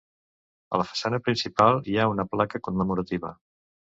A la façana principal hi ha una placa commemorativa.